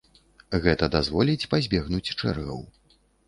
Гэта дазволіць пазбегнуць чэргаў.